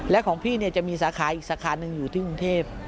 และของพี่จะมีสาขาอีกสาขาหนึ่งอยู่ที่กรุงเทพ